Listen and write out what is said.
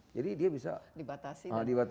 jadi dia bisa dibatasi